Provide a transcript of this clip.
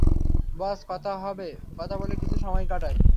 বস, কথা বলে কিছু সময় কাটাই।